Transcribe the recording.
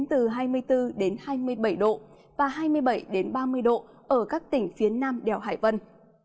từ hai mươi bốn đến hai mươi bảy độ và hai mươi bảy ba mươi độ ở các tỉnh phía nam đèo hải vân